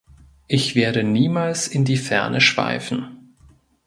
Ich werde niemals in die Ferne schweifen.